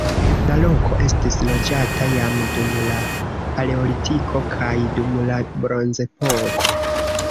La loko estis loĝata jam dum la paleolitiko kaj dum la bronzepoko.